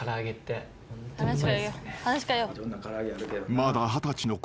［まだ二十歳の小宮。